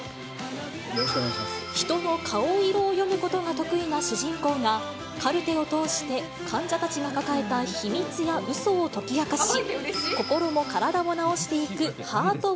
人の顔色を読むことが得意な主人公が、カルテを通して、患者たちが抱えた秘密やうそを解き明かし、心も体も治していくハート